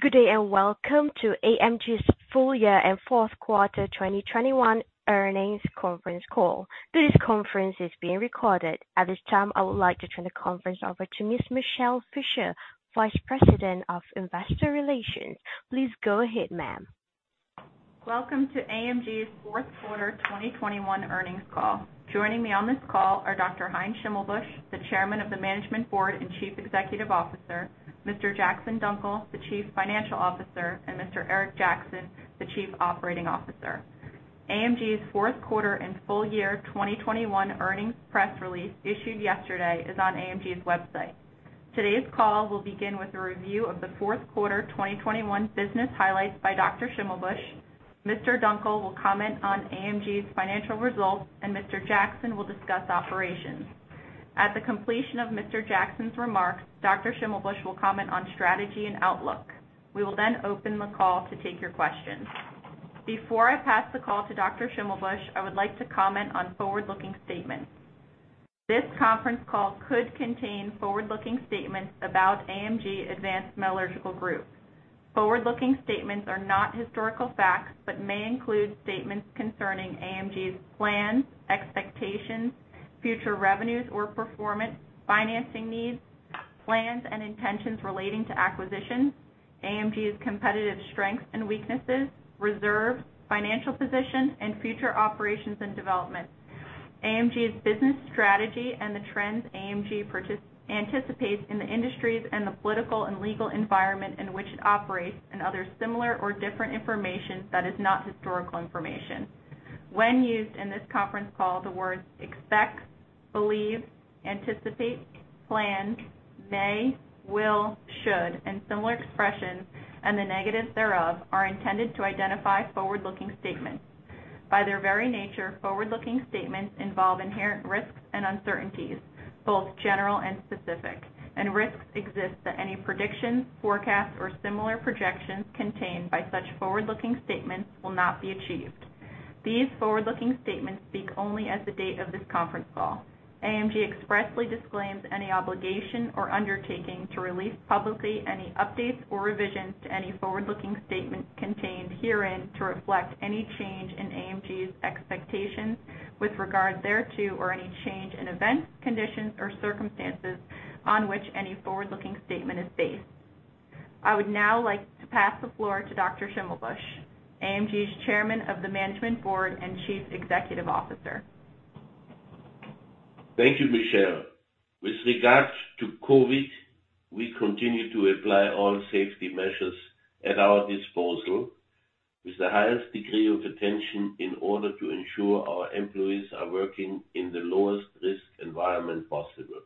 Good day and welcome to AMG's full year and fourth quarter 2021 earnings conference call. Today's conference is being recorded. At this time, I would like to turn the conference over to Ms. Michele Fischer, Vice President of Investor Relations. Please go ahead, ma'am. Welcome to AMG's fourth quarter 2021 earnings call. Joining me on this call are Dr. Heinz Schimmelbusch, the Chairman of the Management Board and Chief Executive Officer, Mr. Jackson Dunckel, the Chief Financial Officer, and Mr. Eric Jackson, the Chief Operating Officer. AMG's fourth quarter and full year 2021 earnings press release issued yesterday is on AMG's website. Today's call will begin with a review of the fourth quarter 2021 business highlights by Dr. Schimmelbusch. Mr. Dunckel will comment on AMG's financial results, and Mr. Jackson will discuss operations. At the completion of Mr. Jackson's remarks, Dr. Schimmelbusch will comment on strategy and outlook. We will then open the call to take your questions. Before I pass the call to Dr. Schimmelbusch, I would like to comment on forward-looking statements. This conference call could contain forward-looking statements about AMG Advanced Metallurgical Group. Forward-looking statements are not historical facts, but may include statements concerning AMG's plans, expectations, future revenues or performance, financing needs, plans and intentions relating to acquisitions, AMG's competitive strengths and weaknesses, reserves, financial position, and future operations and developments, AMG's business strategy and the trends AMG anticipates in the industries and the political and legal environment in which it operates, and other similar or different information that is not historical information. When used in this conference call, the words expect, believe, anticipate, plan, may, will, should, and similar expressions, and the negatives thereof, are intended to identify forward-looking statements. By their very nature, forward-looking statements involve inherent risks and uncertainties, both general and specific, and risks exist that any predictions, forecasts, or similar projections contained by such forward-looking statements will not be achieved. These forward-looking statements speak only as of the date of this conference call. AMG expressly disclaims any obligation or undertaking to release publicly any updates or revisions to any forward-looking statements contained herein to reflect any change in AMG's expectations with regard thereto, or any change in events, conditions, or circumstances on which any forward-looking statement is based. I would now like to pass the floor to Dr. Schimmelbusch, AMG's Chairman of the Management Board and Chief Executive Officer. Thank you, Michele. With regards to COVID, we continue to apply all safety measures at our disposal with the highest degree of attention in order to ensure our employees are working in the lowest risk environment possible.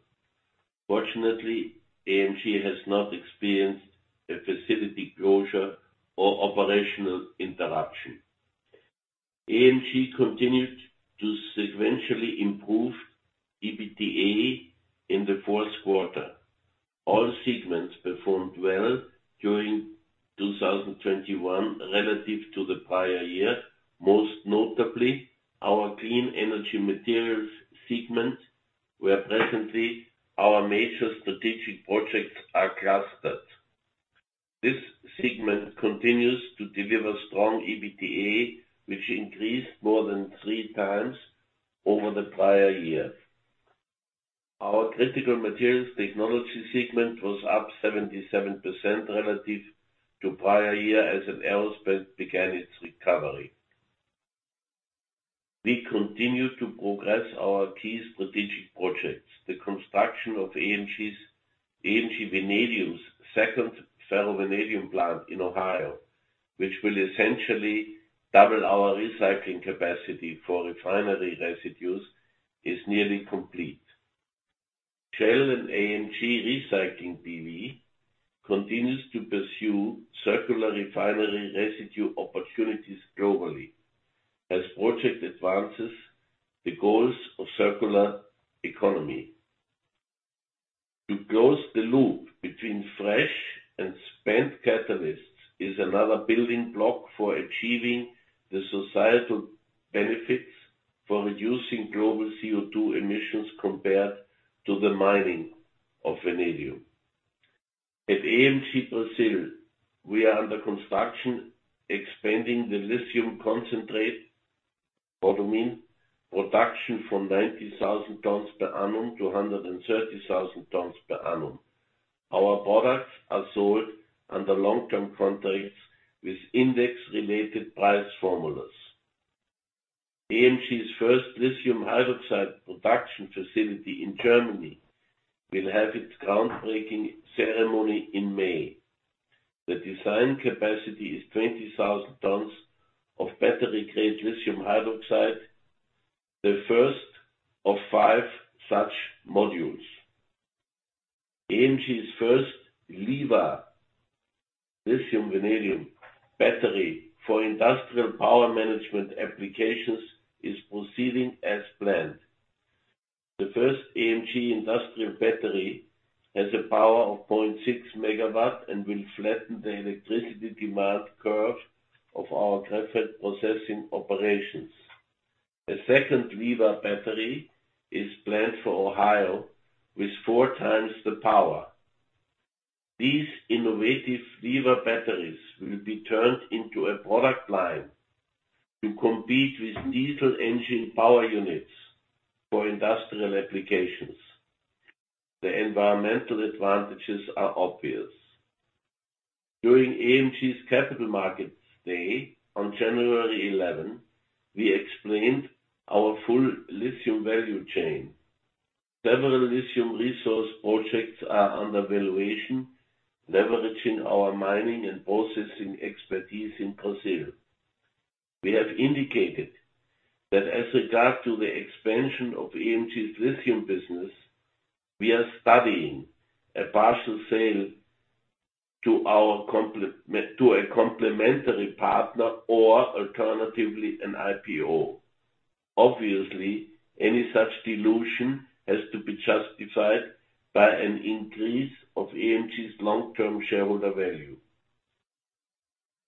Fortunately, AMG has not experienced a facility closure or operational interruption. AMG continued to sequentially improve EBITDA in the fourth quarter. All segments performed well during 2021 relative to the prior year, most notably our Clean Energy Materials segment, where presently our major strategic projects are clustered. This segment continues to deliver strong EBITDA, which increased more than three times over the prior year. Our Critical Materials Technologies segment was up 77% relative to prior year as the aerospace began its recovery. We continue to progress our key strategic projects. The construction of AMG Vanadium's second ferrovanadium plant in Ohio, which will essentially double our recycling capacity for refinery residues, is nearly complete. Shell & AMG Recycling BV continues to pursue circular refinery residue opportunities globally as project advances the goals of circular economy. To close the loop between fresh and spent catalysts is another building block for achieving the societal benefits for reducing global CO2 emissions compared to the mining of vanadium. At AMG Brasil, we are under construction expanding the lithium concentrate, spodumene, production from 90,000 tons per annum to 130,000 tons per annum. Our products are sold under long-term contracts with index-related price formulas. AMG's first lithium hydroxide production facility in Germany will have its groundbreaking ceremony in May. The design capacity is 20,000 tons of battery-grade lithium hydroxide, the first of five such modules. AMG's first LIVA lithium vanadium battery for industrial power management applications is proceeding as planned. The first AMG industrial battery has a power of 0.6 MW and will flatten the electricity demand curve of our graphite processing operations. The second LIVA battery is planned for Ohio with four times the power. These innovative LIVA batteries will be turned into a product line to compete with diesel engine power units for industrial applications. The environmental advantages are obvious. During AMG's Capital Markets Day on January 11, we explained our full lithium value chain. Several lithium resource projects are under evaluation, leveraging our mining and processing expertise in Brazil. We have indicated that as regards to the expansion of AMG's lithium business, we are studying a partial sale to a complementary partner or alternatively, an IPO. Obviously, any such dilution has to be justified by an increase of AMG's long-term shareholder value.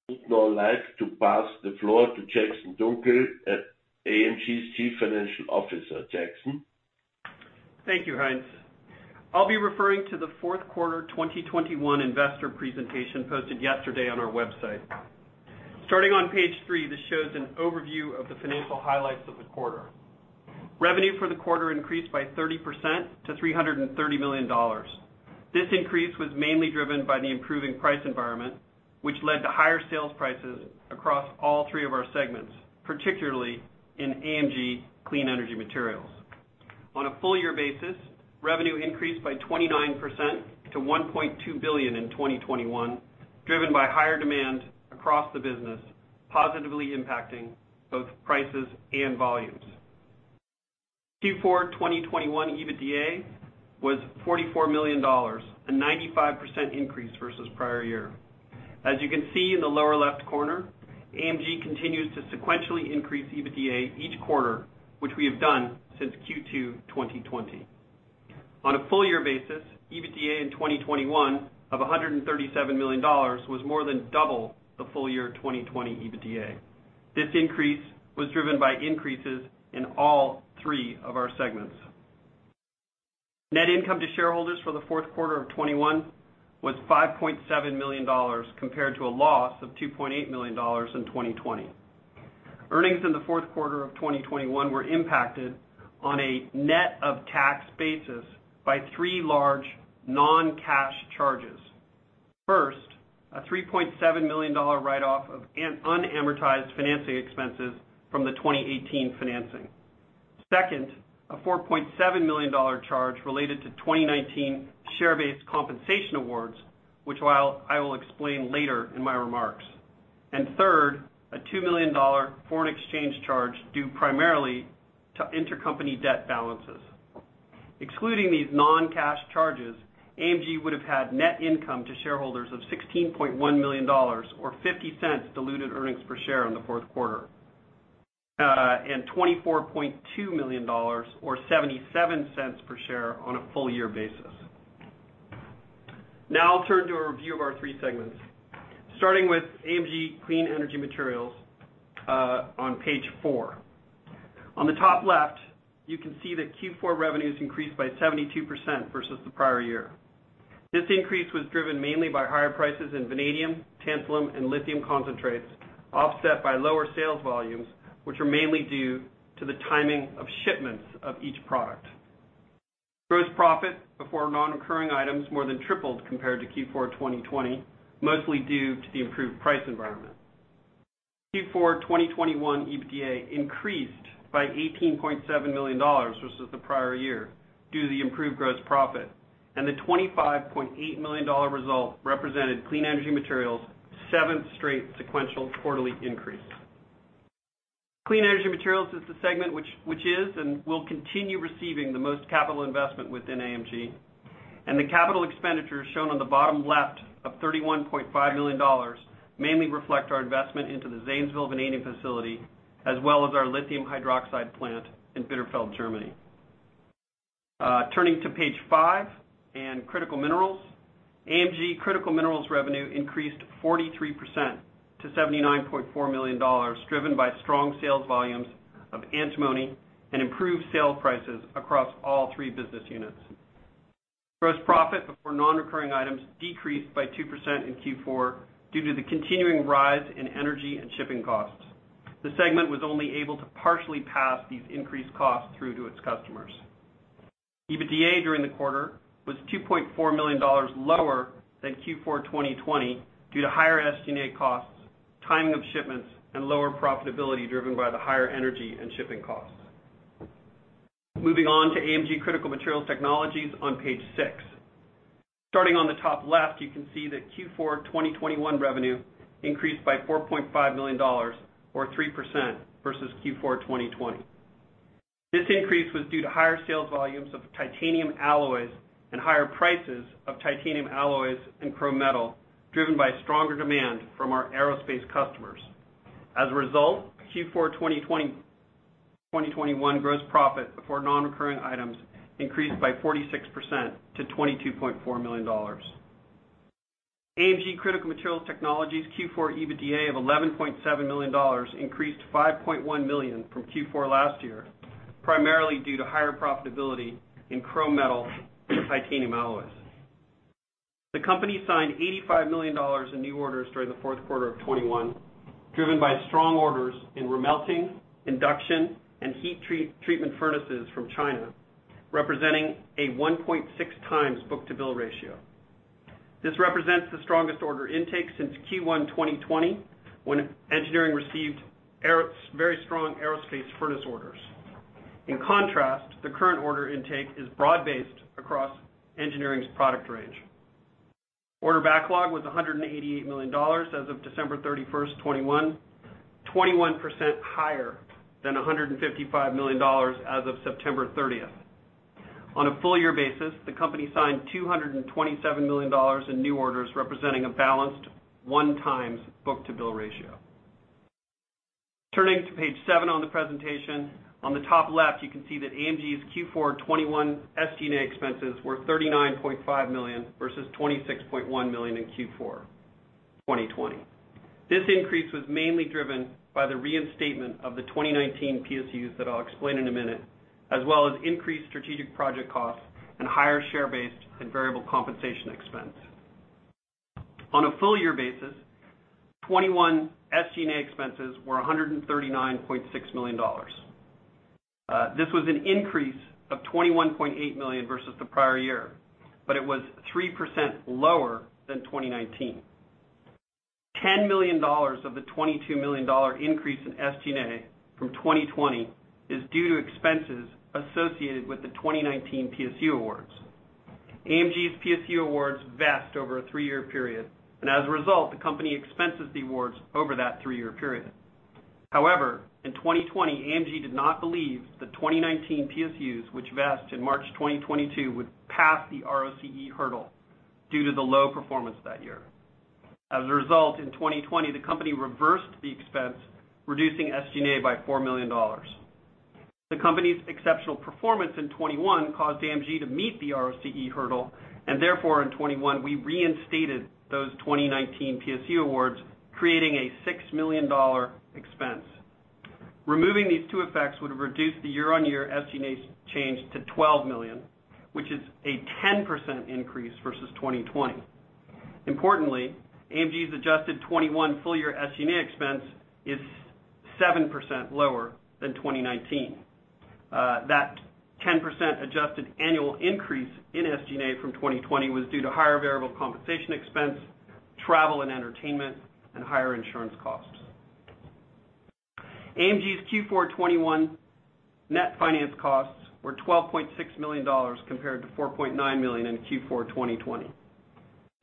I would now like to pass the floor to Jackson Dunckel, AMG's Chief Financial Officer. Jackson. Thank you, Heinz. I'll be referring to the Q4 2021 investor presentation posted yesterday on our website. Starting on page 3, this shows an overview of the financial highlights of the quarter. Revenue for the quarter increased by 30% to $330 million. This increase was mainly driven by the improving price environment, which led to higher sales prices across all three of our segments, particularly in AMG Clean Energy Materials. On a full year basis, revenue increased by 29%-1.2 billion in 2021, driven by higher demand across the business, positively impacting both prices and volumes. Q4 2021 EBITDA was $44 million, a 95% increase versus prior year. As you can see in the lower left corner, AMG continues to sequentially increase EBITDA each quarter, which we have done since Q2 2020. On a full year basis, EBITDA in 2021 of $137 million was more than double the full year 2020 EBITDA. This increase was driven by increases in all three of our segments. Net income to shareholders for the fourth quarter of 2021 was $5.7 million, compared to a loss of $2.8 million in 2020. Earnings in the fourth quarter of 2021 were impacted on a net of tax basis by three large non-cash charges. First, a $3.7 million write-off of unamortized financing expenses from the 2018 financing. Second, a $4.7 million charge related to 2019 share-based compensation awards, which I will explain later in my remarks. Third, a $2 million foreign exchange charge due primarily to intercompany debt balances. Excluding these non-cash charges, AMG would have had net income to shareholders of $16.1 million or $0.50 diluted earnings per share in the fourth quarter, and $24.2 million or $0.77 per share on a full year basis. Now I'll turn to a review of our three segments, starting with AMG Clean Energy Materials, on page four. On the top left, you can see that Q4 revenues increased by 72% versus the prior year. This increase was driven mainly by higher prices in vanadium, tantalum and lithium concentrates, offset by lower sales volumes, which are mainly due to the timing of shipments of each product. Gross profit before non-recurring items more than tripled compared to Q4 2020, mostly due to the improved price environment. Q4 2021 EBITDA increased by $18.7 million versus the prior year due to the improved gross profit, and the $25.8 million result represented Clean Energy Materials' seventh straight sequential quarterly increase. Clean Energy Materials is the segment which is and will continue receiving the most capital investment within AMG, and the capital expenditures shown on the bottom left of $31.5 million mainly reflect our investment into the Zanesville vanadium facility, as well as our lithium hydroxide plant in Bitterfeld, Germany. Turning to page five and Critical Minerals. AMG Critical Minerals revenue increased 43%-$79.4 million, driven by strong sales volumes of antimony and improved sales prices across all three business units. Gross profit before non-recurring items decreased by 2% in Q4 due to the continuing rise in energy and shipping costs. The segment was only able to partially pass these increased costs through to its customers. EBITDA during the quarter was 2.4 million lower than Q4 2020 due to higher SG&A costs, timing of shipments, and lower profitability driven by the higher energy and shipping costs. Moving on to AMG Critical Materials Technologies on page six. Starting on the top left, you can see that Q4 2021 revenue increased by 4.5 million or 3% versus Q4 2020. This increase was due to higher sales volumes of titanium alloys and higher prices of titanium alloys and chrome metal driven by stronger demand from our aerospace customers. As a result, Q4 2021 gross profit before non-recurring items increased by 46%-$22.4 million. AMG Critical Materials Technologies Q4 EBITDA of $11.7 million increased 5.1 million from Q4 last year, primarily due to higher profitability in chrome metal and titanium alloys. The company signed $85 million in new orders during the fourth quarter of 2021, driven by strong orders in remelting, induction, and heat treatment furnaces from China, representing a 1.6x book-to-bill ratio. This represents the strongest order intake since Q1 2020, when engineering received very strong aerospace furnace orders. In contrast, the current order intake is broad-based across engineering's product range. Order backlog was $188 million as of December 31, 2021, 21% higher than $155 million as of September 30. On a full year basis, the company signed 227 million in new orders, representing a balanced 1x book-to-bill ratio. Turning to page 7 on the presentation, on the top left, you can see that AMG's Q4 2021 SG&A expenses were 39.5 million versus 26.1 million in Q4 2020. This increase was mainly driven by the reinstatement of the 2019 PSUs that I'll explain in a minute, as well as increased strategic project costs and higher share-based and variable compensation expense. On a full year basis, 2021 SG&A expenses were 139.6 million. This was an increase of 21.8 million versus the prior year, but it was 3% lower than 2019. $10 million of the $22 million increase in SG&A from 2020 is due to expenses associated with the 2019 PSU awards. AMG's PSU awards vest over a 3-year period, and as a result, the company expenses the awards over that 3-year period. However, in 2020, AMG did not believe the 2019 PSUs which vested March 2022 would pass the ROCE hurdle due to the low performance that year. As a result, in 2020, the company reversed the expense, reducing SG&A by $4 million. The company's exceptional performance in 2021 caused AMG to meet the ROCE hurdle, and therefore, in 2021, we reinstated those 2019 PSU awards, creating a $6 million expense. Removing these two effects would have reduced the year-on-year SG&A change to $12 million, which is a 10% increase versus 2020. Importantly, AMG's adjusted 2021 full year SG&A expense is 7% lower than 2019. That 10% adjusted annual increase in SG&A from 2020 was due to higher variable compensation expense, travel and entertainment, and higher insurance costs. AMG's Q4 2021 net finance costs were $12.6 million compared to 4.9 million in Q4 2020.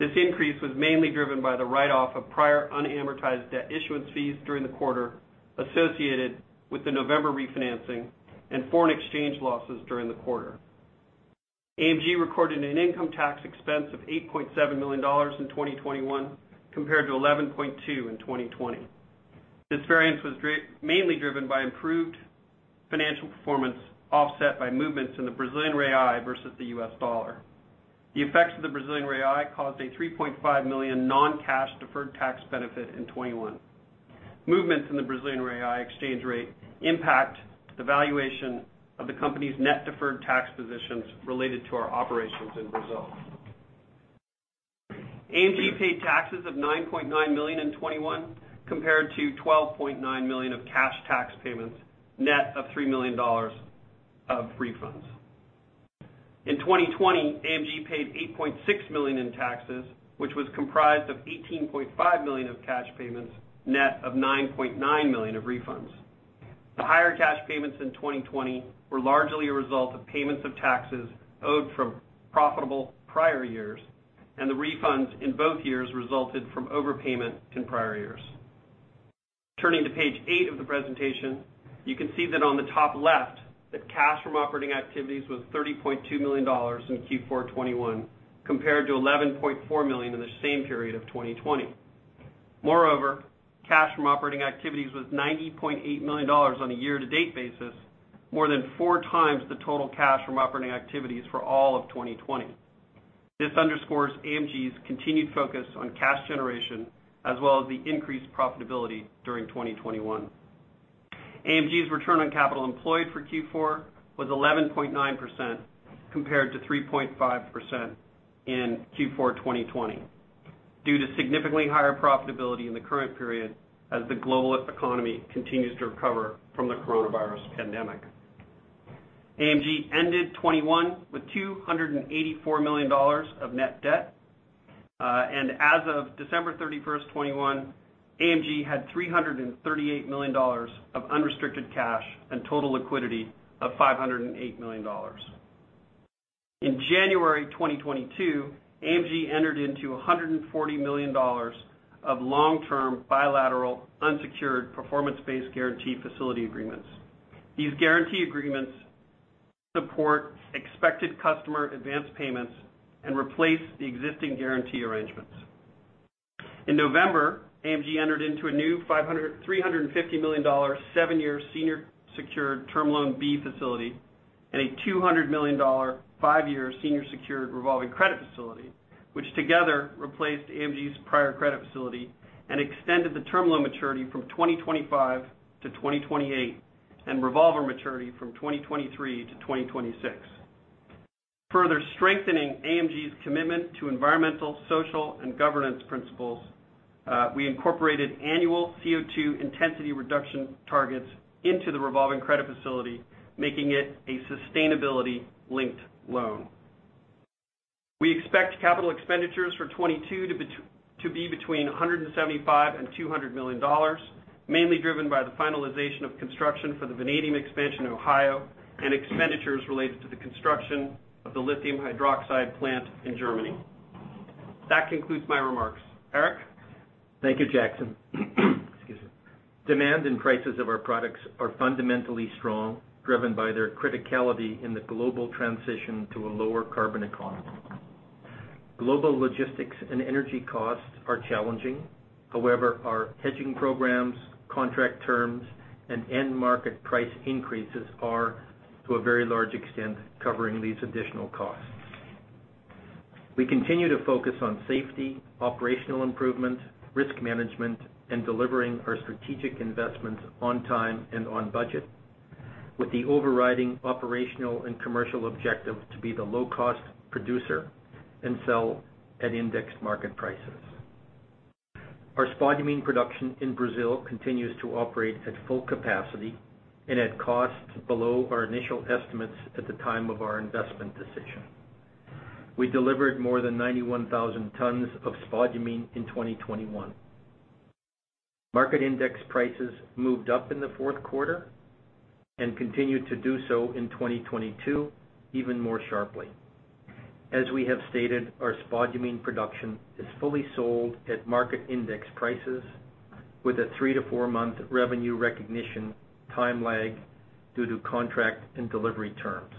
This increase was mainly driven by the write-off of prior unamortized debt issuance fees during the quarter associated with the November refinancing and foreign exchange losses during the quarter. AMG recorded an income tax expense of $8.7 million in 2021 compared to 11.2 million in 2020. This variance was mainly driven by improved financial performance offset by movements in the Brazilian real versus the US dollar. The effects of the Brazilian real caused a 3.5 million non-cash deferred tax benefit in 2021. Movements in the Brazilian real exchange rate impact the valuation of the company's net deferred tax positions related to our operations in Brazil. AMG paid taxes of 9.9 million in 2021 compared to 12.9 million of cash tax payments, net of $3 million of refunds. In 2020, AMG paid $8.6 million in taxes, which was comprised of $18.5 million of cash payments, net of $9.9 million of refunds. The higher cash payments in 2020 were largely a result of payments of taxes owed from profitable prior years, and the refunds in both years resulted from overpayment in prior years. Turning to page eight of the presentation, you can see that on the top left that cash from operating activities was $30.2 million in Q4 2021 compared to 11.4 million in the same period of 2020. Moreover, cash from operating activities was $90.8 million on a year-to-date basis, more than four times the total cash from operating activities for all of 2020. This underscores AMG's continued focus on cash generation as well as the increased profitability during 2021. AMG's return on capital employed for Q4 was 11.9% compared to 3.5% in Q4 2020 due to significantly higher profitability in the current period as the global economy continues to recover from the coronavirus pandemic. AMG ended 2021 with $284 million of net debt. As of December 31, 2021, AMG had $338 million of unrestricted cash and total liquidity of $508 million. In January 2022, AMG entered into $140 million of long-term bilateral unsecured performance-based guarantee facility agreements. These guarantee agreements support expected customer advance payments and replace the existing guarantee arrangements. In November, AMG entered into a new $350 million, 7-year senior secured Term Loan B facility and a $200 million five-year senior secured revolving credit facility, which together replaced AMG's prior credit facility and extended the term loan maturity from 2025 to 2028, and revolver maturity from 2023-2026. Further strengthening AMG's commitment to environmental, social, and governance principles, we incorporated annual CO₂ intensity reduction targets into the revolving credit facility, making it a sustainability-linked loan. We expect capital expenditures for 2022 to be between 175 million and $200 million, mainly driven by the finalization of construction for the vanadium expansion in Ohio, and expenditures related to the construction of the lithium hydroxide plant in Germany. That concludes my remarks. Eric? Thank you, Jackson. Excuse me. Demand and prices of our products are fundamentally strong, driven by their criticality in the global transition to a lower carbon economy. Global logistics and energy costs are challenging. However, our hedging programs, contract terms, and end market price increases are, to a very large extent, covering these additional costs. We continue to focus on safety, operational improvement, risk management, and delivering our strategic investments on time and on budget, with the overriding operational and commercial objective to be the low cost producer and sell at index market prices. Our spodumene production in Brazil continues to operate at full capacity and at costs below our initial estimates at the time of our investment decision. We delivered more than 91,000 tons of spodumene in 2021. Market index prices moved up in the fourth quarter and continued to do so in 2022 even more sharply. As we have stated, our spodumene production is fully sold at market index prices with a 3-4-month revenue recognition time lag due to contract and delivery terms.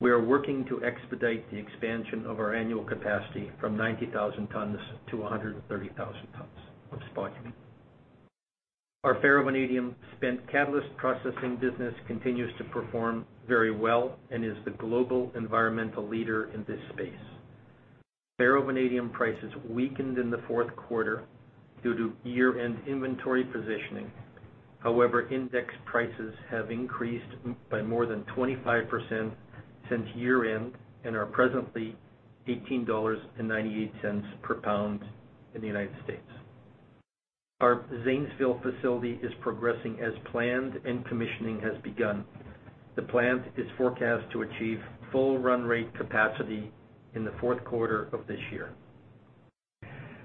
We are working to expedite the expansion of our annual capacity from 90,000 tons-130,000 tons of spodumene. Our ferrovanadium spent catalyst processing business continues to perform very well and is the global environmental leader in this space. Ferrovanadium prices weakened in the fourth quarter due to year-end inventory positioning. However, index prices have increased by more than 25% since year-end and are presently $18.98 per pound in the United States. Our Zanesville facility is progressing as planned and commissioning has begun. The plant is forecast to achieve full run rate capacity in the fourth quarter of this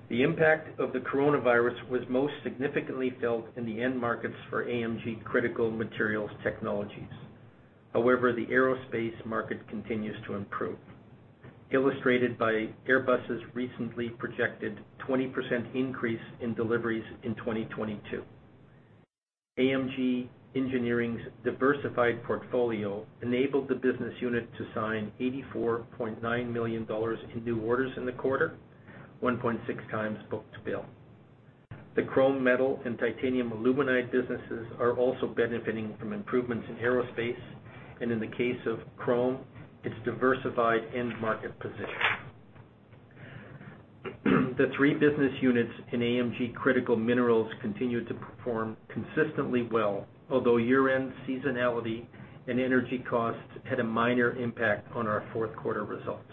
year. The impact of the coronavirus was most significantly felt in the end markets for AMG Critical Materials Technologies. However, the aerospace market continues to improve, illustrated by Airbus' recently projected 20% increase in deliveries in 2022. AMG Engineering's diversified portfolio enabled the business unit to sign $84.9 million in new orders in the quarter, 1.6 times book-to-bill. The chrome metal and titanium aluminide businesses are also benefiting from improvements in aerospace, and in the case of chrome, its diversified end market position. The three business units in AMG Critical Minerals continue to perform consistently well, although year-end seasonality and energy costs had a minor impact on our fourth quarter results.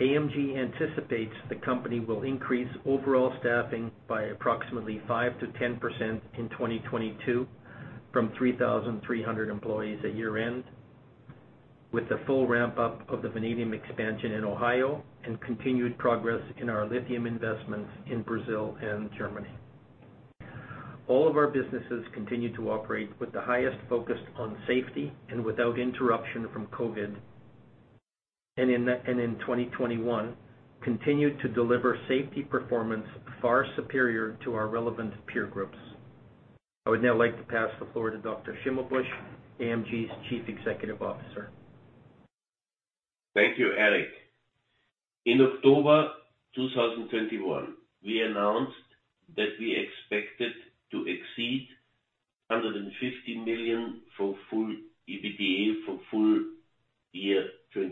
AMG anticipates the company will increase overall staffing by approximately 5%-10% in 2022 from 3,300 employees at year-end, with the full ramp-up of the vanadium expansion in Ohio and continued progress in our lithium investments in Brazil and Germany. All of our businesses continue to operate with the highest focus on safety and without interruption from COVID, and in 2021, continued to deliver safety performance far superior to our relevant peer groups. I would now like to pass the floor to Dr. Schimmelbusch, AMG's Chief Executive Officer. Thank you, Eric. In October 2021, we announced that we expected to exceed 150 million for full-year EBITDA for full year 2022. In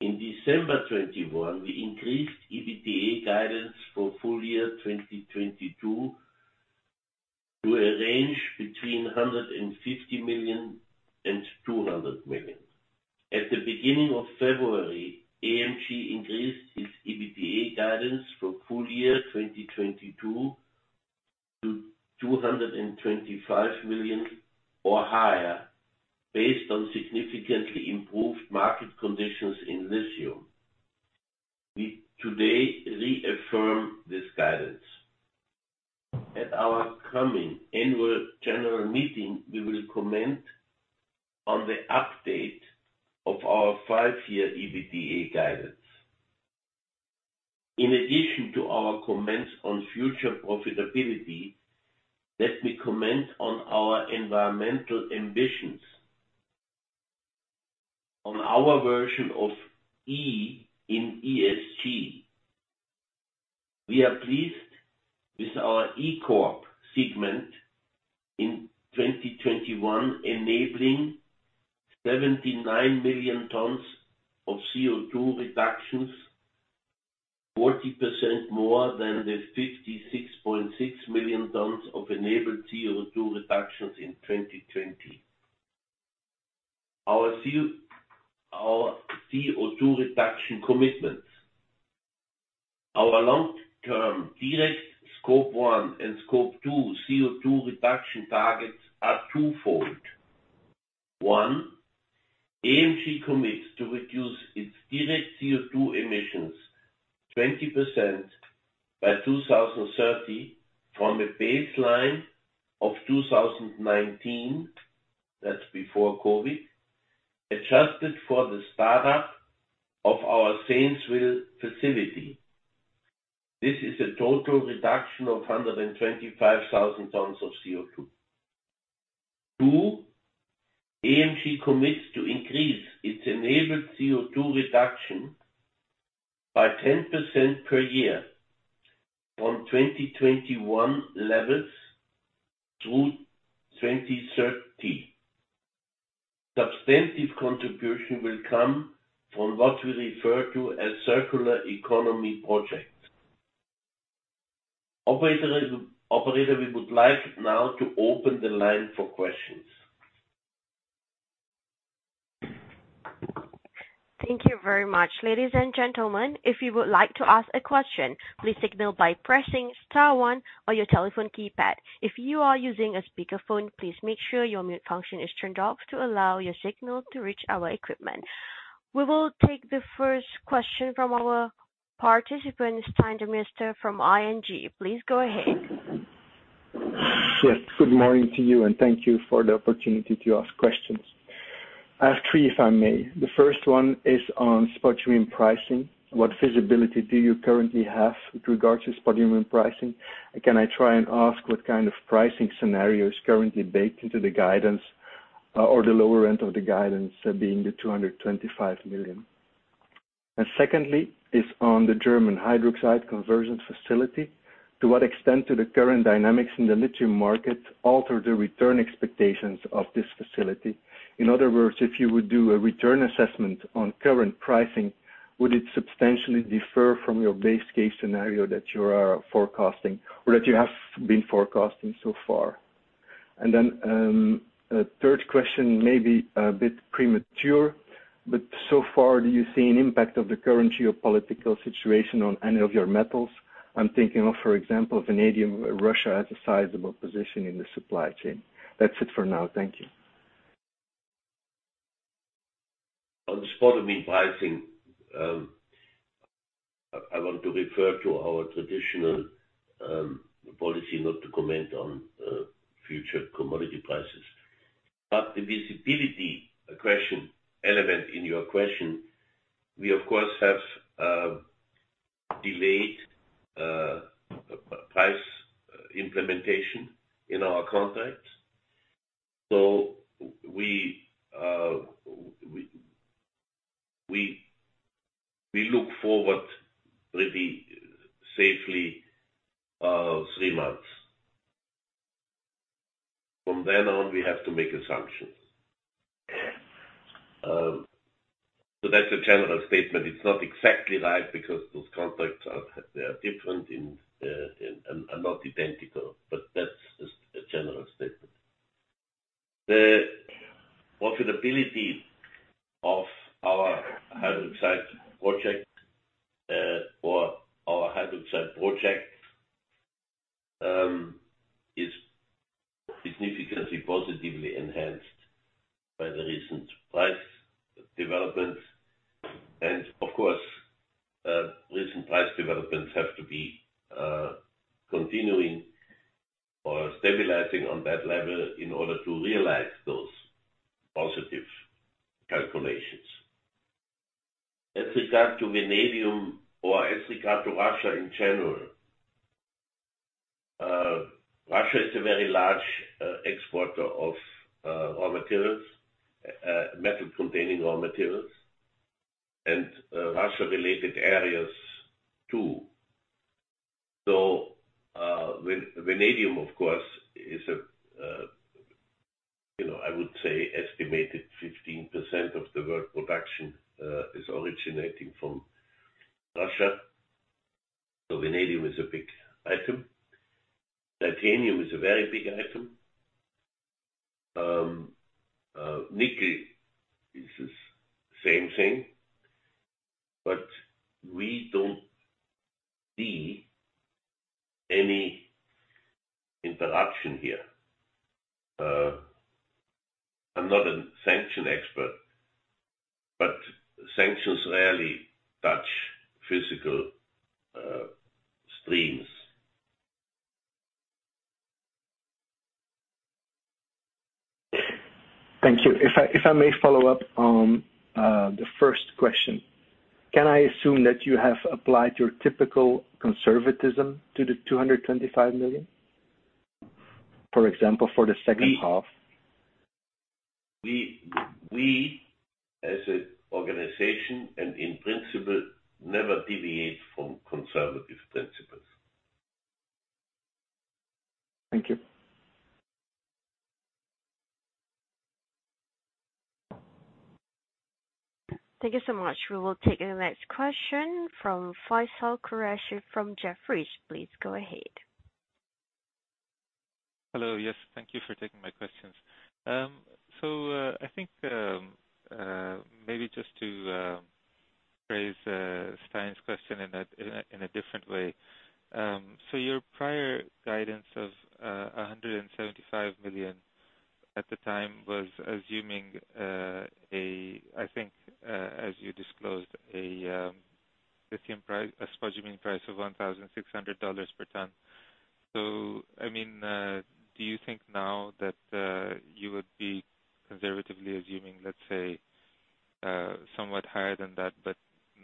December 2021, we increased EBITDA guidance for full year 2022 to a range between 150 million and 200 million. At the beginning of February, AMG increased its EBITDA guidance for full year 2022 to 225 million or higher based on significantly improved market conditions in lithium. We today reaffirm this guidance. At our coming annual general meeting, we will comment on the update of our five-year EBITDA guidance. In addition to our comments on future profitability, let me comment on our environmental ambitions. On our version of E in ESG. We are pleased with our Clean Energy Materials segment in 2021, enabling 79 million tons of CO2 reductions, 40% more than the 56.6 million tons of enabled CO2 reductions in 2020. Our CO2 reduction commitments. Our long-term direct Scope one and Scope two CO2 reduction targets are twofold. One, AMG commits to reduce its direct CO2 emissions 20% by 2030 from a baseline of 2019, that's before COVID, adjusted for the start-up of our Zanesville facility. This is a total reduction of 125,000 tons of CO2. Two, AMG commits to increase its enabled CO2 reduction by 10% per year from 2021 levels through 2030. Substantive contribution will come from what we refer to as circular economy projects. Operator, we would like now to open the line for questions. Thank you very much. Ladies and gentlemen, if you would like to ask a question, please signal by pressing star one on your telephone keypad. If you are using a speakerphone, please make sure your mute function is turned off to allow your signal to reach our equipment. We will take the first question from our participant, Stijn Demeester from ING. Please go ahead. Yes, good morning to you, and thank you for the opportunity to ask questions. I have three, if I may. The first one is on spodumene pricing. What visibility do you currently have with regards to spodumene pricing? And can I try and ask what kind of pricing scenario is currently baked into the guidance or the lower end of the guidance being the 225 million? And secondly is on the German hydroxide conversion facility. To what extent do the current dynamics in the lithium market alter the return expectations of this facility? In other words, if you would do a return assessment on current pricing, would it substantially differ from your base case scenario that you are forecasting or that you have been forecasting so far? Third question may be a bit premature, but so far, do you see an impact of the current geopolitical situation on any of your metals? I'm thinking of, for example, vanadium. Russia has a sizable position in the supply chain. That's it for now. Thank you. On spodumene pricing, I want to refer to our traditional policy not to comment on future commodity prices. The visibility question element in your question, we of course have delayed price implementation in our contracts. We look forward maybe safely three months. From then on, we have to make assumptions. That's a general statement. It's not exactly right because those contracts are different and are not identical, but that's just a general statement. The profitability of our hydroxide project is significantly positively enhanced by the recent price developments. Of course, recent price developments have to be continuing or stabilizing on that level in order to realize those positive calculations. As regards to vanadium, or as regards to Russia in general, Russia is a very large exporter of raw materials, metal-containing raw materials, and Russia-related areas too. Vanadium, of course, is, you know, I would say estimated 15% of the world production is originating from Russia. Vanadium is a big item. Titanium is a very big item. Nickel is the same thing. We don't see any interruption here. I'm not a sanction expert, but sanctions rarely touch physical streams. Thank you. If I may follow up on the first question. Can I assume that you have applied your typical conservatism to the $225 million? For example, for the second half. We as an organization and in principle never deviate from conservative principles. Thank you. Thank you so much. We will take the next question from Faisal Qureshi from Jefferies. Please go ahead. Hello. Yes, thank you for taking my questions. I think maybe just to phrase Stijn's question in a different way. Your prior guidance of 175 million at the time was assuming, I think, as you disclosed, a lithium price, a spodumene price of 1,600 per ton. I mean, do you think now that you would be conservatively assuming, let's say, somewhat higher than that, but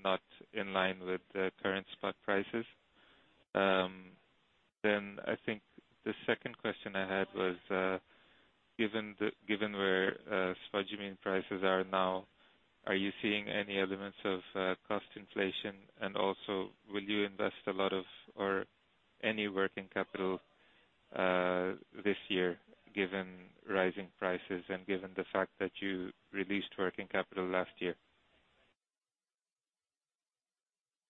not in line with the current spot prices? I think the second question I had was, given where spodumene prices are now, are you seeing any elements of cost inflation? Also, will you invest a lot of or any working capital this year, given rising prices and given the fact that you released working capital last year?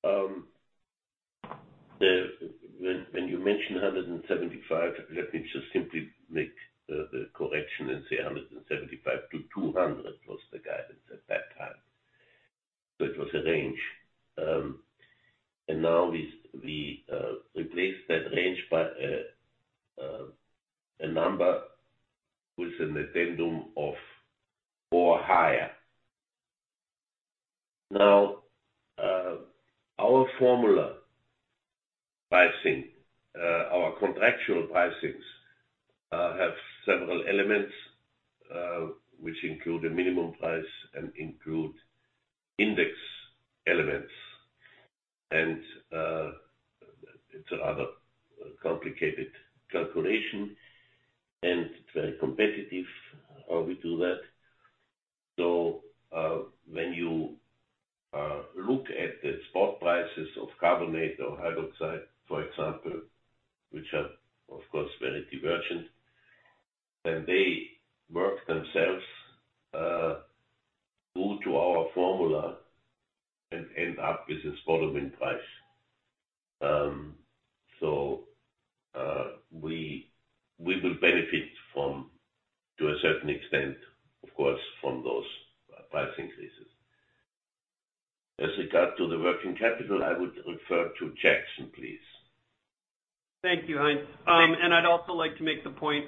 When you mention 175, let me just simply make the correction and say 175-200 was the guidance at that time. It was a range. Now we replace that range by a number with an addendum of or higher. Now, our formula pricing, our contractual pricings have several elements, which include a minimum price and include index elements. It's a rather complicated calculation, and it's very competitive how we do that. When you look at the spot prices of carbonate or hydroxide, for example, which are of course very divergent, and they move to our formula and end up with a spodumene price. We will benefit from, to a certain extent, of course, from those price increases. As regards to the working capital, I would refer to Jackson, please. Thank you, Heinz. I'd also like to make the point,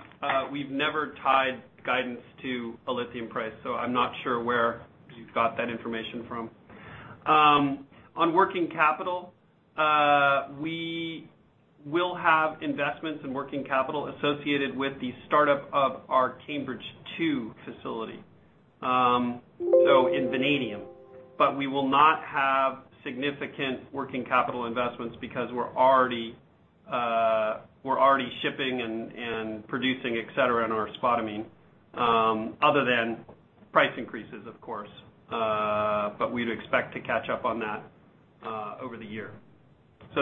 we've never tied guidance to a lithium price, so I'm not sure where you got that information from. On working capital, we will have investments in working capital associated with the startup of our Cambridge two facility, so in vanadium. We will not have significant working capital investments because we're already shipping and producing, et cetera, in our spodumene, other than price increases of course. We'd expect to catch up on that over the year.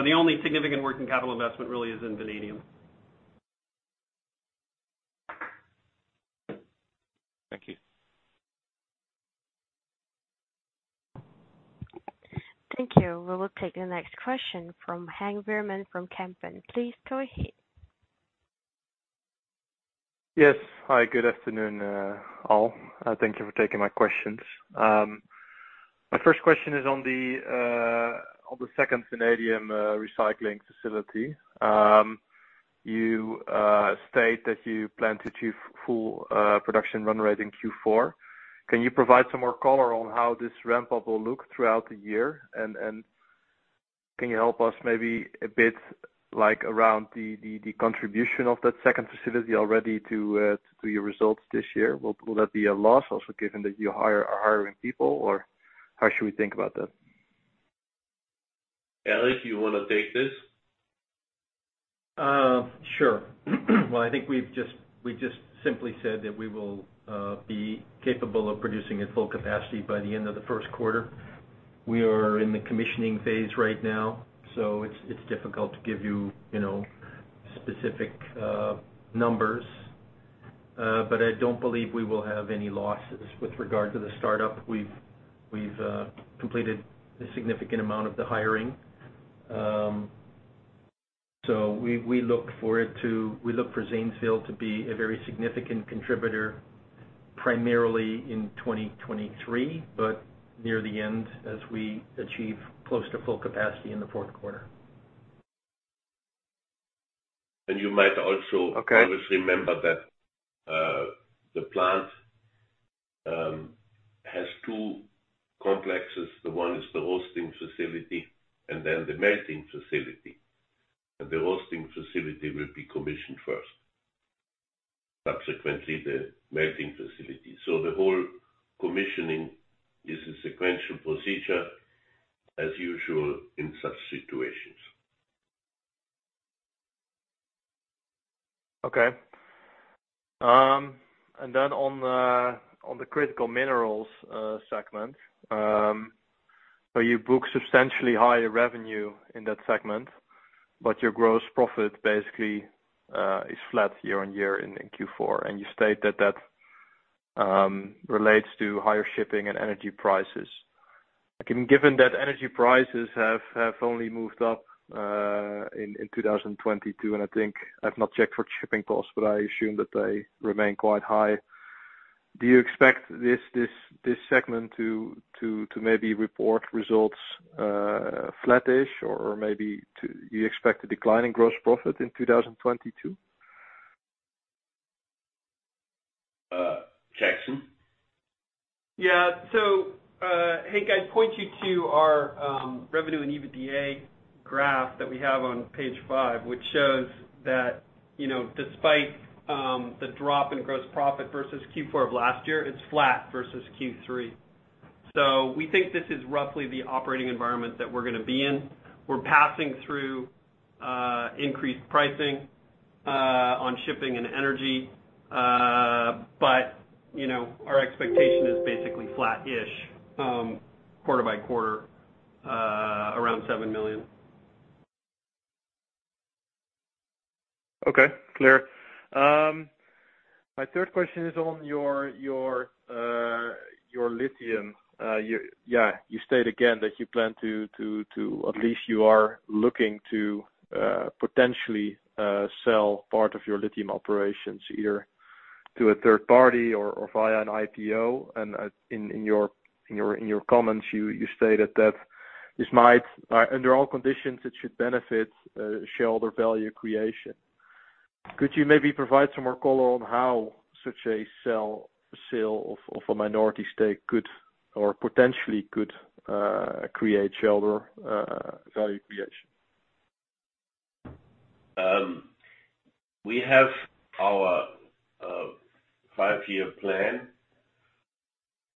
The only significant working capital investment really is in vanadium. Thank you. Thank you. We will take the next question from Henk Bierman from Kempen. Please go ahead. Yes. Hi, good afternoon, all. Thank you for taking my questions. My first question is on the second vanadium recycling facility. You state that you plan to achieve full production run rate in Q4. Can you provide some more color on how this ramp-up will look throughout the year? And can you help us maybe a bit like around the contribution of that second facility already to your results this year? Will that be a loss also given that you hire or hiring people, or how should we think about that? Jackson Dunckel, you wanna take this? Sure. Well, I think we just simply said that we will be capable of producing at full capacity by the end of the first quarter. We are in the commissioning phase right now, so it's difficult to give you know, specific numbers. I don't believe we will have any losses. With regard to the startup, we've completed a significant amount of the hiring. We look for Zanesville to be a very significant contributor, primarily in 2023, but near the end as we achieve close to full capacity in the fourth quarter. You might also. Okay. Always remember that the plant has two complexes. The one is the roasting facility and then the melting facility. The roasting facility will be commissioned first, subsequently the melting facility. The whole commissioning is a sequential procedure. As usual in such situations. Okay. On the Critical Minerals segment. You book substantially higher revenue in that segment, but your gross profit basically is flat year-over-year in Q4, and you state that that relates to higher shipping and energy prices. Given that energy prices have only moved up in 2022, and I think I've not checked for shipping costs, but I assume that they remain quite high. Do you expect this segment to maybe report results flattish or maybe you expect a decline in gross profit in 2022? Jackson. Yeah. Henk, I'd point you to our revenue and EBITDA graph that we have on page five, which shows that, you know, despite the drop in gross profit versus Q4 of last year, it's flat versus Q3. We think this is roughly the operating environment that we're gonna be in. We're passing through increased pricing on shipping and energy. You know, our expectation is basically flattish quarter by quarter around seven million. Okay, clear. My third question is on your lithium. Yeah, you state again that you plan to at least you are looking to potentially sell part of your lithium operations, either to a third party or via an IPO. In your comments, you stated that this might, under all conditions, benefit shareholder value creation. Could you maybe provide some more color on how such a sale of a minority stake could potentially create shareholder value creation? We have our five-year plan,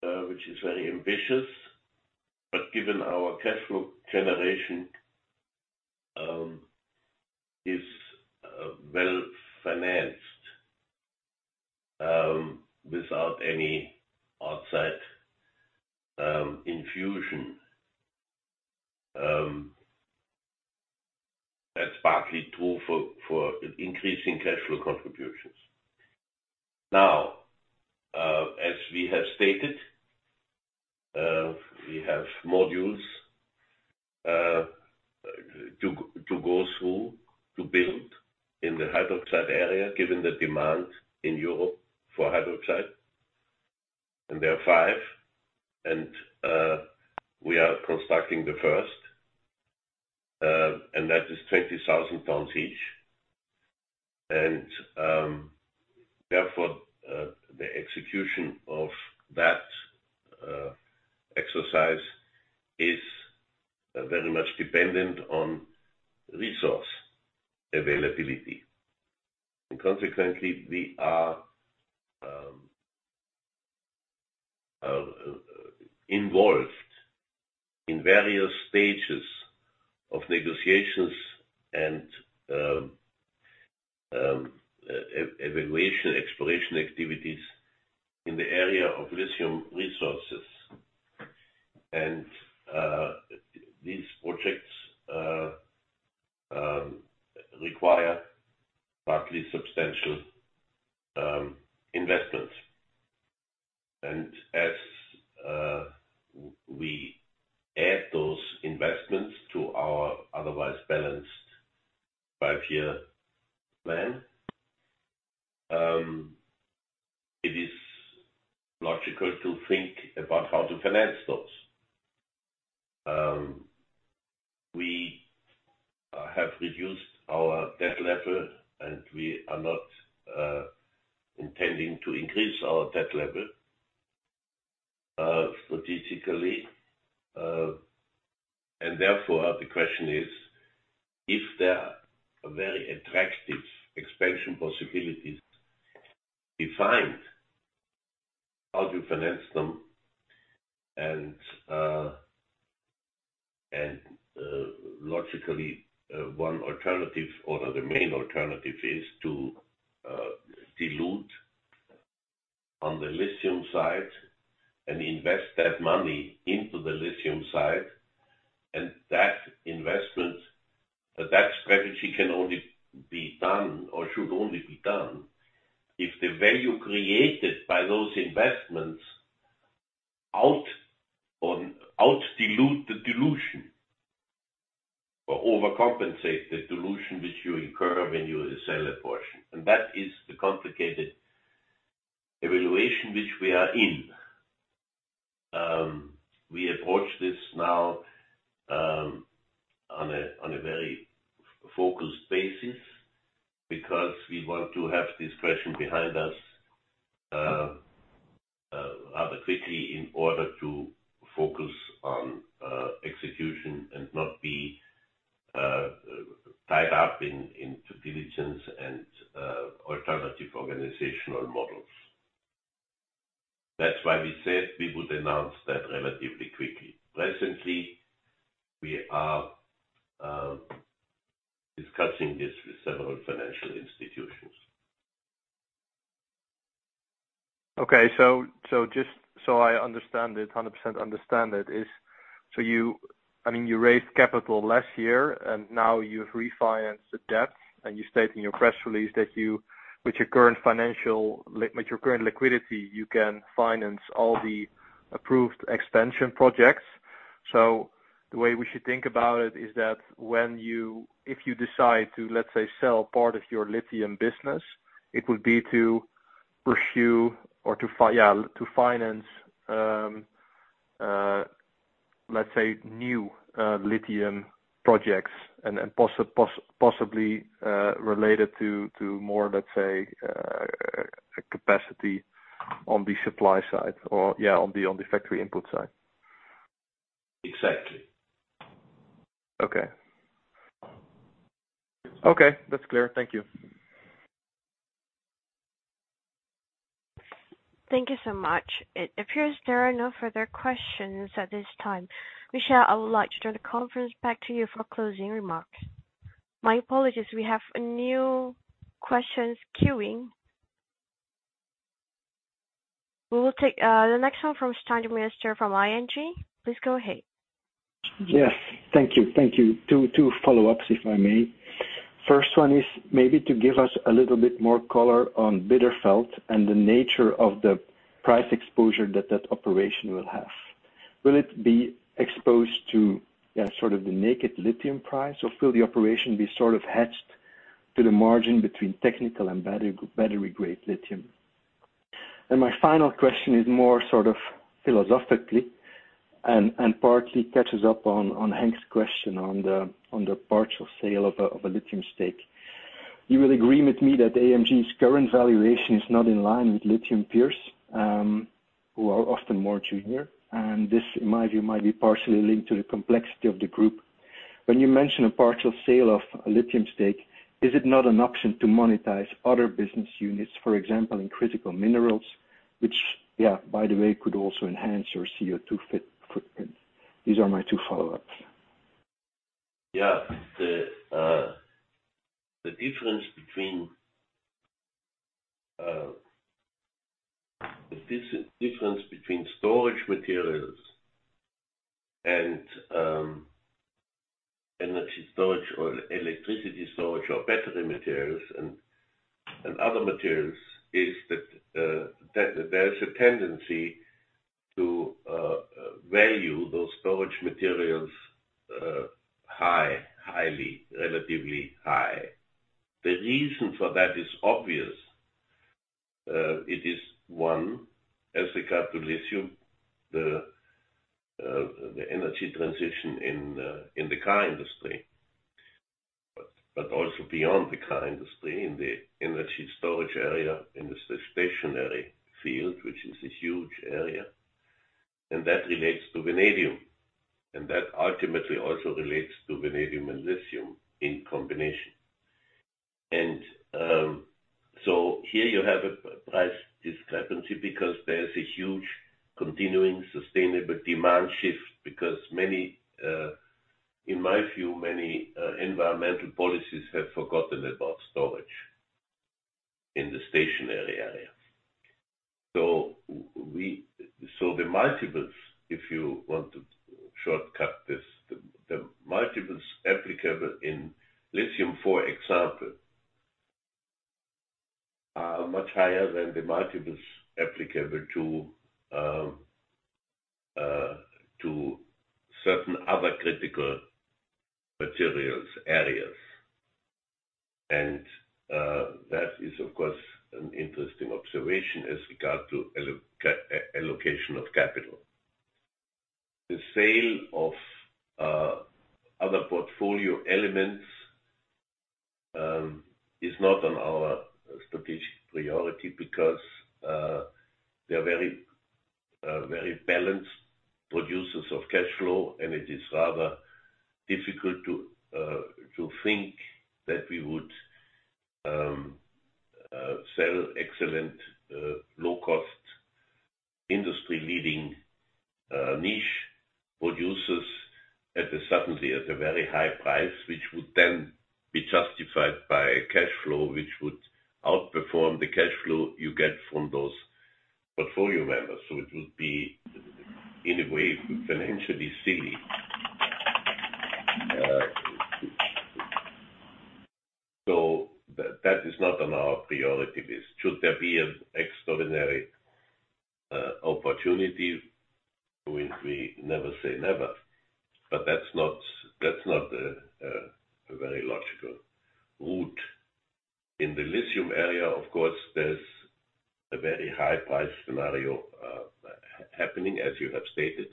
which is very ambitious, but given our cash flow generation, is well financed without any outside infusion. That's partly true for increasing cash flow contributions. Now, as we have stated, we have modules to go through to build in the hydroxide area, given the demand in Europe for hydroxide. There are five, and we are constructing the first, and that is 20,000 tons each. Therefore, the execution of that exercise is very much dependent on resource availability. Consequently, we are involved in various stages of negotiations and evaluation exploration activities in the area of lithium resources. These projects require partly substantial investments. As we add those investments to our otherwise balanced five-year plan, it is logical to think about how to finance those. We have reduced our debt level, and we are not intending to increase our debt level strategically. Therefore, the question is, if there are very attractive expansion possibilities defined, how to finance them? Logically, one alternative or the main alternative is to dilute on the lithium side and invest that money into the lithium side. That investment, that strategy can only be done or should only be done if the value created by those investments outdilute the dilution or overcompensate the dilution which you incur when you sell a portion. That is the complicated evaluation which we are in. We approach this now on a very focused basis because we want to have this question behind us rather quickly in order to focus on execution and not be tied up in diligence and alternative organizational models. That's why we said we would announce that relatively quickly. Presently, we are discussing this with several financial institutions. Okay. Just so I understand it 100%, I mean, you raised capital last year, and now you've refinanced the debt, and you state in your press release that, with your current liquidity, you can finance all the approved expansion projects. The way we should think about it is that if you decide to, let's say, sell part of your lithium business, it would be to pursue or, yeah, to finance new lithium projects and possibly related to more, let's say, capacity on the supply side or, yeah, on the factory input side. Exactly. Okay. Okay, that's clear. Thank you. Thank you so much. It appears there are no further questions at this time. Michele, I would like to turn the conference back to you for closing remarks. My apologies. We have new questions queuing. We will take the next one from Stijn Demeester from ING. Please go ahead. Yes. Thank you. Two follow-ups, if I may. First one is maybe to give us a little bit more color on Bitterfeld and the nature of the price exposure that operation will have. Will it be exposed to sort of the naked lithium price, or will the operation be sort of hedged to the margin between technical and battery-grade lithium? My final question is more sort of philosophically, partly catches up on Henk's question on the partial sale of a lithium stake. You will agree with me that AMG's current valuation is not in line with lithium peers, who are often more junior, and this, in my view, might be partially linked to the complexity of the group. When you mention a partial sale of a lithium stake, is it not an option to monetize other business units, for example, in critical minerals, which, yeah, by the way, could also enhance your CO2 footprint? These are my two follow-ups. Yeah. The difference between storage materials and energy storage or electricity storage or battery materials and other materials is that there is a tendency to value those storage materials relatively high. The reason for that is obvious. It is one, as regards to lithium, the energy transition in the car industry, but also beyond the car industry in the energy storage area, in the stationary field, which is a huge area. That relates to vanadium, and that ultimately also relates to vanadium and lithium in combination. So here you have a price discrepancy because there is a huge continuing sustainable demand shift because many, in my view, many environmental policies have forgotten about storage in the stationary area. The multiples, if you want to shortcut this, the multiples applicable in lithium, for example, are much higher than the multiples applicable to certain other critical materials areas. That is of course an interesting observation as regards allocation of capital. The sale of other portfolio elements is not on our strategic priority because they are very balanced producers of cash flow, and it is rather difficult to think that we would sell excellent low-cost, industry-leading niche producers at a very high price, which would then be justified by cash flow, which would outperform the cash flow you get from those portfolio members. It would be, in a way, financially silly. That is not on our priority list. Should there be an extraordinary opportunity, we never say never, but that's not a very logical route. In the lithium area, of course, there's a very high price scenario happening as you have stated,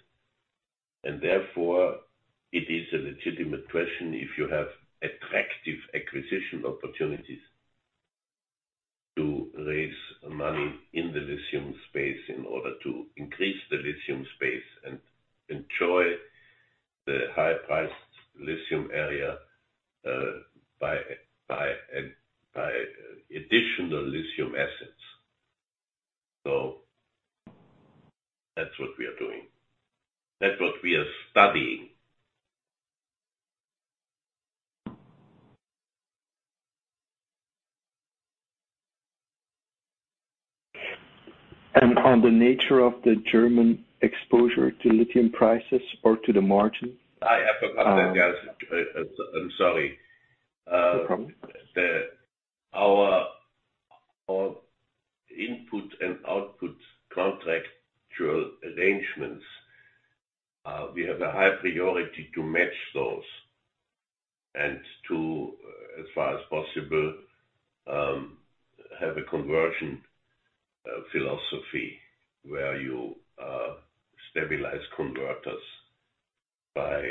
and therefore it is a legitimate question if you have attractive acquisition opportunities to raise money in the lithium space in order to increase the lithium space and enjoy the high-priced lithium area by additional lithium assets. That's what we are doing. That's what we are studying. On the nature of the German exposure to lithium prices or to the margin. I have forgotten that, yes. I'm sorry. No problem. Our input and output contractual arrangements, we have a high priority to match those and to, as far as possible, have a conversion philosophy where you stabilize converters by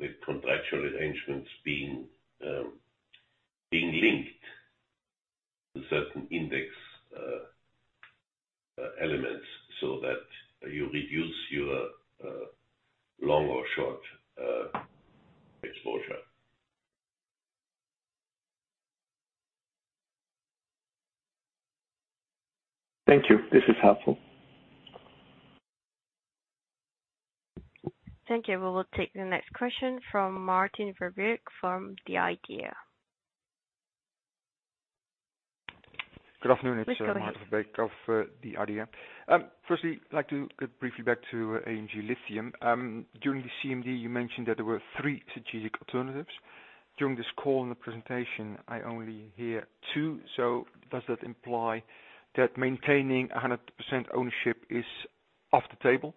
the contractual arrangements being linked to certain index elements so that you reduce your long or short exposure. Thank you. This is helpful. Thank you. We will take the next question from Maarten Verbeek from Degroof Petercam. Good afternoon. Please go ahead. It's Maarten Verbeek of Degroof Petercam. First, I'd like to get briefly back to AMG Lithium. During the CMD, you mentioned that there were three strategic alternatives. During this call and the presentation, I only hear two. Does that imply that maintaining 100% ownership is off the table?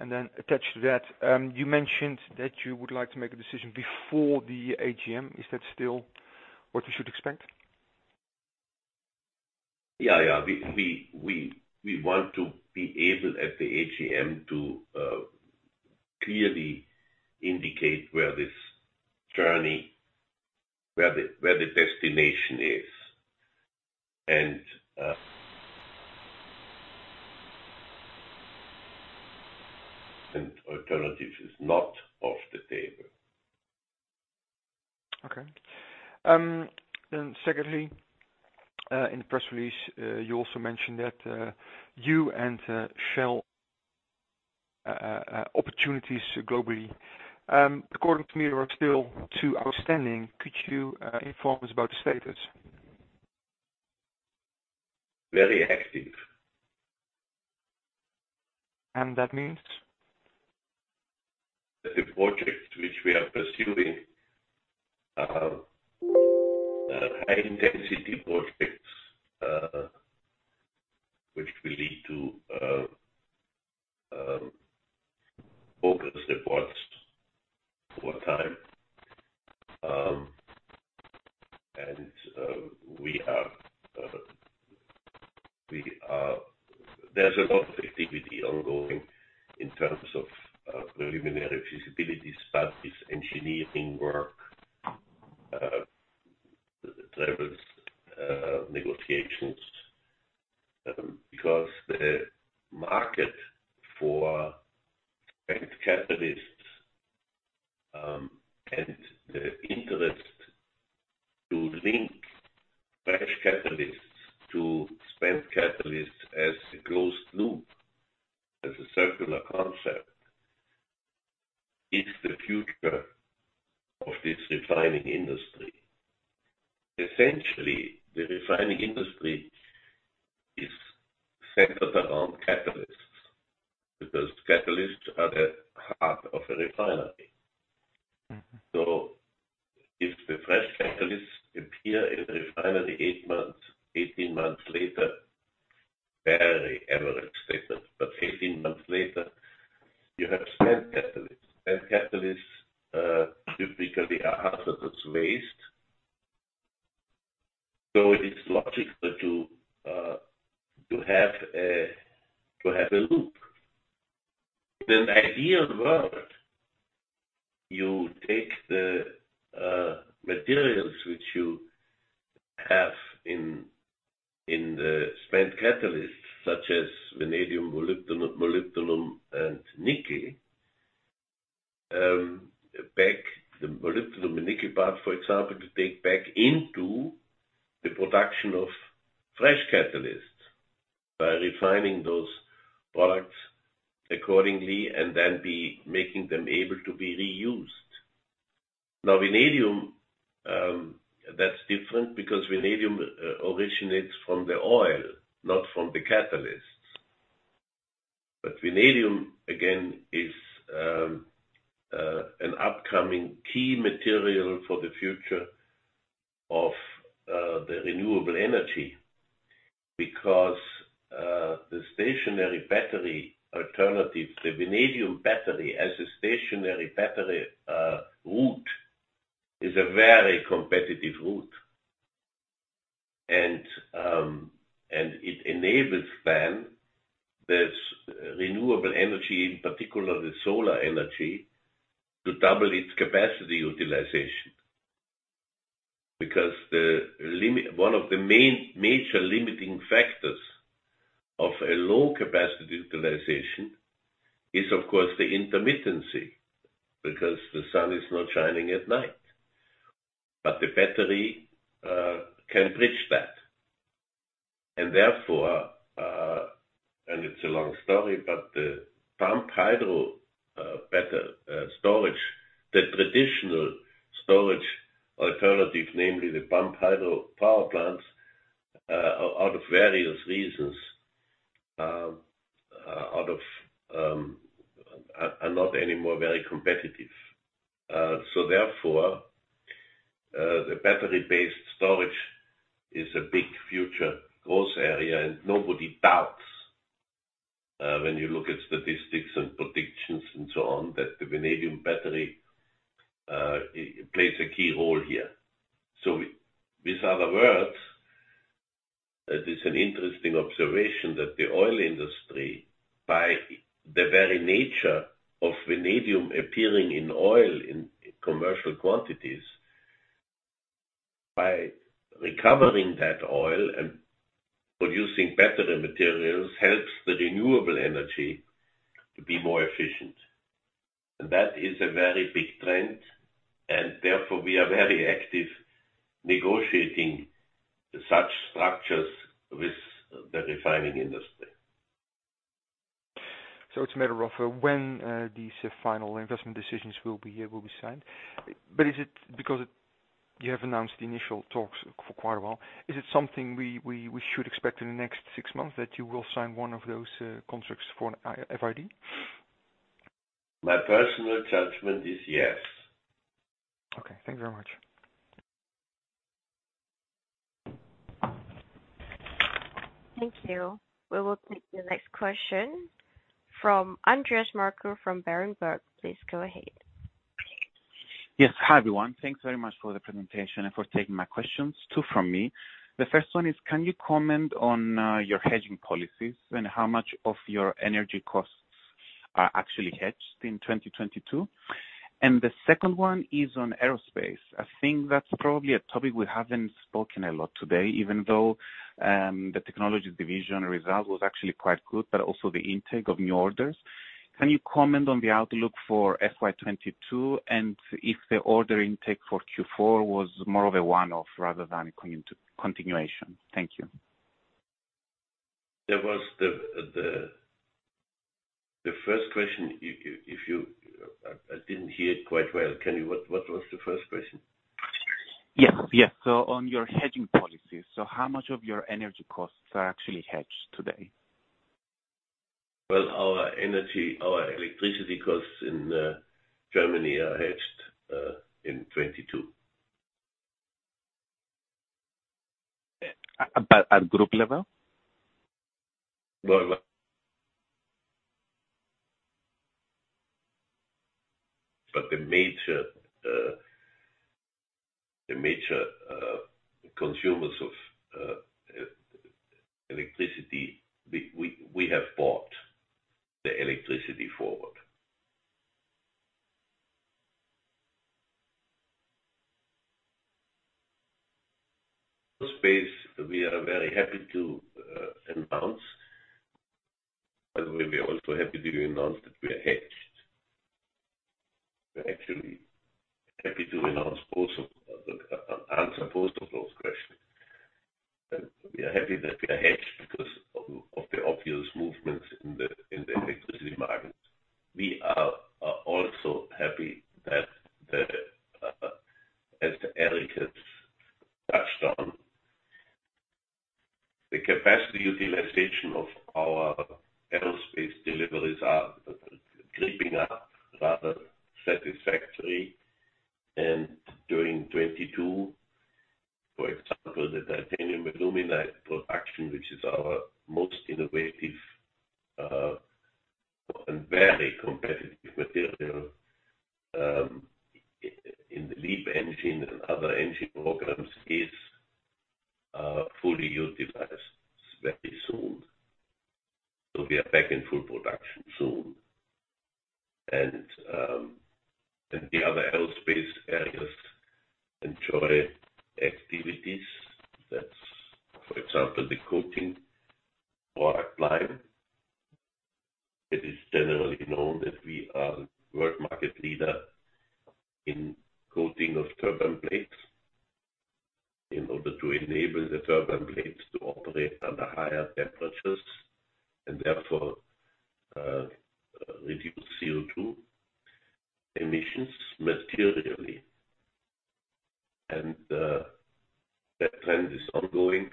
Attached to that, you mentioned that you would like to make a decision before the AGM. Is that still what we should expect? Yeah, yeah. We want to be able at the AGM to clearly indicate where this journey, the destination is. Alternatives is not off the table. Okay. Secondly, in the press release, you also mentioned that you and Shell have opportunities globally. According to me, there are still two outstanding. Could you inform us about the status? Very active. That means? That the projects which we are pursuing are high-intensity projects which will lead to focused reports over time. There's a lot of activity ongoing in terms of preliminary feasibility studies, engineering work, various negotiations because the market for spent catalysts and the interest to link fresh catalysts to spent catalysts as a closed loop, as a circular concept, is the future of this refining industry. Essentially, the refining industry is centered around catalysts because catalysts are the heart of a refinery. Mm-hmm. If the fresh catalysts appear in the refinery 8-18 months later, very average statement, but 18 months later, you have spent catalysts. Spent catalysts typically are hazardous waste. It is logical to have a loop. In an ideal world, you take the materials which you have in the spent catalysts, such as vanadium, molybdenum and nickel, back the molybdenum and nickel part, for example, to take back into the production of fresh catalysts by refining those products accordingly and then be making them able to be reused. Now, vanadium, that's different because vanadium originates from the oil, not from the catalysts. Vanadium, again, is an upcoming key material for the future of the renewable energy because the stationary battery alternative, the vanadium battery as a stationary battery route is a very competitive route. It enables then this renewable energy, in particular the solar energy, to double its capacity utilization. Because one of the main limiting factors of a low capacity utilization is of course the intermittency, because the sun is not shining at night. The battery can bridge that. Therefore, it's a long story, but the pumped hydro better storage. The traditional storage alternative, namely the pumped hydro power plants, out of various reasons are not anymore very competitive. Therefore, the battery-based storage is a big future growth area, and nobody doubts, when you look at statistics and predictions and so on, that the vanadium battery plays a key role here. With other words, it is an interesting observation that the oil industry, by the very nature of vanadium appearing in oil in commercial quantities, by recovering that oil and producing battery materials, helps the renewable energy to be more efficient. That is a very big trend, and therefore we are very active negotiating such structures with the refining industry. It's a matter of when these final investment decisions will be signed. Is it because you have announced the initial talks for quite a while, is it something we should expect in the next six months that you will sign one of those contracts for an FID? My personal judgment is yes. Okay, thank you very much. Thank you. We will take the next question from Andreas Körner from Berenberg. Please go ahead. Yes. Hi, everyone. Thanks very much for the presentation and for taking my questions. Two from me. The first one is can you comment on your hedging policies and how much of your energy costs are actually hedged in 2022? The second one is on aerospace. I think that's probably a topic we haven't spoken a lot today, even though the technology division result was actually quite good, but also the intake of new orders. Can you comment on the outlook for FY 2022, and if the order intake for Q4 was more of a one-off rather than a continuation? Thank you. There was the first question. I didn't hear it quite well. What was the first question? Yes, yes. On your hedging policies, so how much of your energy costs are actually hedged today? Well, our energy, our electricity costs in Germany are hedged in 2022. At group level? The major consumers of electricity, we have bought the electricity forward. Aerospace, we are very happy to announce, and we'll be also happy to announce that we are hedged. We're actually happy to announce also to answer both of those questions. We are happy that we are hedged because of the obvious movements in the electricity market. We are also happy that, as Eric has touched on, the capacity utilization of our aerospace deliveries are creeping up rather satisfactory. During 2022, for example, the titanium aluminide production, which is our most innovative and very competitive material, in the LEAP engine and other engine programs is fully utilized very soon. We are back in full production soon. The other aerospace areas enjoy activities. That's for example, the coating product line. It is generally known that we are world market leader in coating of turbine blades in order to enable the turbine blades to operate under higher temperatures, and therefore, reduce CO2 emissions materially. That trend is ongoing.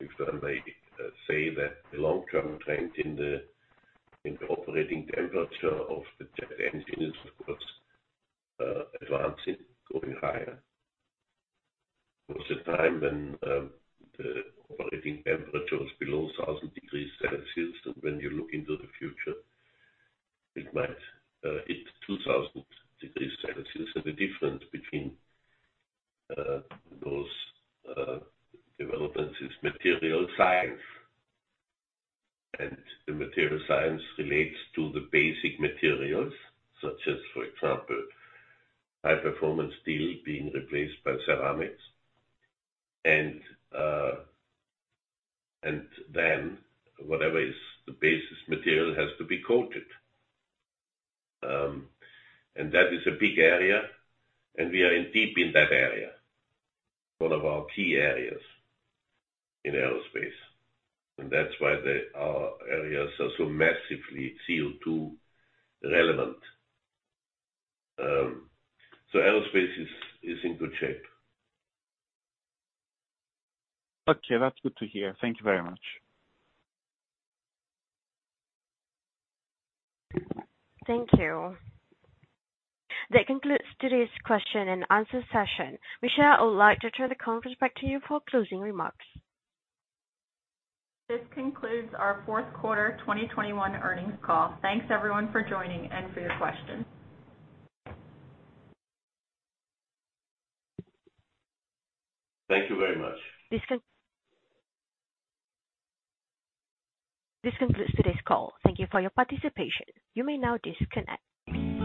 If I may say that the long-term trend in the operating temperature of the jet engine is of course advancing, going higher. There was a time when the operating temperature was below 1,000 degrees Celsius. When you look into the future, it might hit 2,000 degrees Celsius. The difference between those developments is materials science. The materials science relates to the basic materials, such as, for example, high-performance steel being replaced by ceramics. Then whatever is the base material has to be coated. That is a big area, and we are deeply in that area, one of our key areas in aerospace. That's why our areas are so massively CO2 relevant. Aerospace is in good shape. Okay. That's good to hear. Thank you very much. Thank you. That concludes today's question and answer session. Michele, I would like to turn the conference back to you for closing remarks. This concludes our fourth quarter 2021 earnings call. Thanks everyone for joining and for your questions. Thank you very much. This concludes today's call. Thank you for your participation. You may now disconnect.